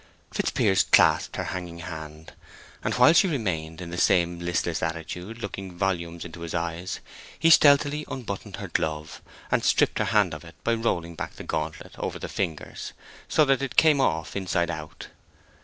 Fitzpiers clasped her hanging hand, and, while she still remained in the same listless attitude, looking volumes into his eyes, he stealthily unbuttoned her glove, and stripped her hand of it by rolling back the gauntlet over the fingers, so that it came off inside out.